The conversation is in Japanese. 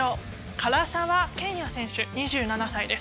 唐澤剣也選手２７歳です。